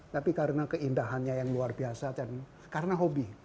tapi karena keindahannya yang luar biasa dan karena hobi